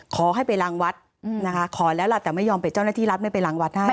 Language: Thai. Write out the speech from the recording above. ขอให้ไปล้างวัดนะคะขอแล้วล่ะแต่ไม่ยอมไปเจ้าหน้าที่รัฐไม่ไปล้างวัดให้